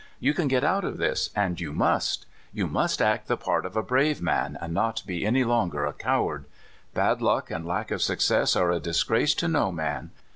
You can get out of this, and you must. You must act the part of a brave man, and not be any longer a coward. Bad luck and lack of success are a disgrace to no man.